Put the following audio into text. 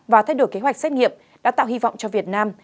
và thay đổi kế hoạch xét nghiệm đã tạo hy vọng cho việt nam